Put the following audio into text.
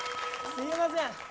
すいません。